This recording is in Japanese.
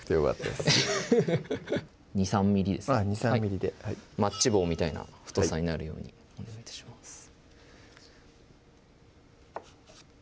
２３ｍｍですね２３ｍｍでマッチ棒みたいな太さになるようにお願い致します